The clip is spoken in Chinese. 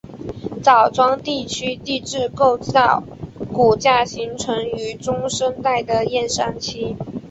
枣庄地区地质构造骨架形成于中生代的燕山期。